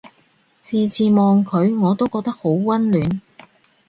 次次望佢我都覺得好溫暖